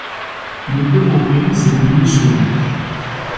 Mais comment ouvriront ces robinets géants ?